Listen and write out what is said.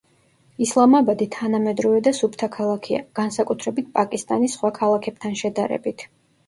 ისლამაბადი თანამედროვე და სუფთა ქალაქია, განსაკუთრებით პაკისტანის სხვა ქალაქებთან შედარებით.